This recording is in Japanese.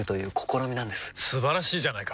素晴らしいじゃないか！